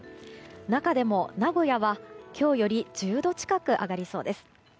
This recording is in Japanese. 中でも名古屋は、今日より１０度近く上がりそうです。